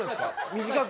短く。